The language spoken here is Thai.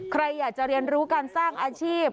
ใครอยากจะเรียนรู้การสร้างอาชีพ